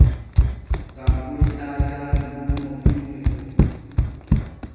Tanko yiɗaa yaadu luumo finne fu.